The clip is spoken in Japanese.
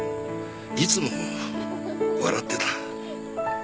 いつも笑ってた。